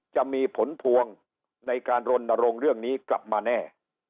จะมีผลพวงในการรณรงค์เรื่องนี้กลับมาแน่